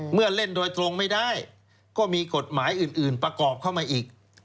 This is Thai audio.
เล่นโดยตรงไม่ได้ก็มีกฎหมายอื่นประกอบเข้ามาอีก